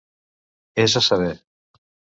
És a saber.